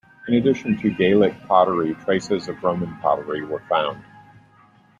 In addition to Gallic pottery, traces of Roman pottery were found.